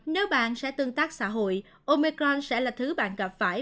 nếu bạn sẽ tương tác xã hội omecron sẽ là thứ bạn gặp phải